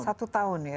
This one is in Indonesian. satu tahun ya